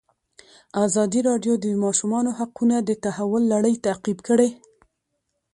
ازادي راډیو د د ماشومانو حقونه د تحول لړۍ تعقیب کړې.